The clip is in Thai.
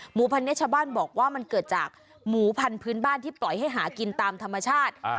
พันธุ์นี้ชาวบ้านบอกว่ามันเกิดจากหมูพันธุ์บ้านที่ปล่อยให้หากินตามธรรมชาติ